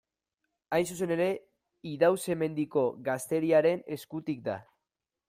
Hain zuzen ere, Idauze-Mendiko gazteriaren eskutik da.